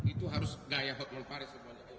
itu harus gaya hotman paris semuanya